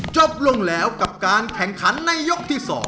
จบลงแล้วกับการแข่งขันในยกที่๒